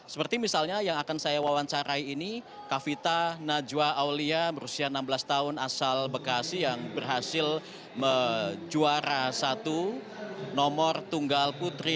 seperti misalnya yang akan saya wawancarai ini kavita najwa aulia berusia enam belas tahun asal bekasi yang berhasil menjuara satu nomor tunggal putri